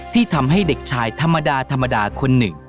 ที่ทำให้เด็กชายธรรมดาคนหนึ่ง